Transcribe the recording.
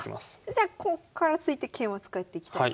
じゃあこっから突いて桂馬使っていきたいと。